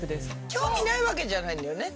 興味ないわけじゃないんだよね？